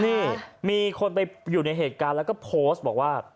นี่มีคนไปอยู่ในเหตุการณ์แล้วก็โพสต์บอกว่า